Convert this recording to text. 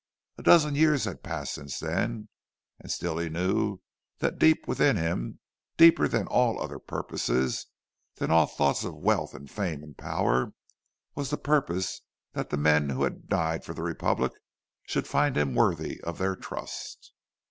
A dozen years had passed since then, and still he knew that deep within him—deeper than all other purposes, than all thoughts of wealth and fame and power—was the purpose that the men who had died for the Republic should find him worthy of their trust.